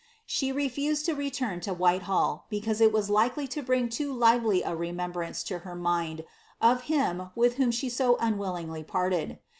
She refused to return to Whilehsll. because it was likeljr bring loo lively a rememhrance lo her mind of him wilh whom ttM unwillingly parted.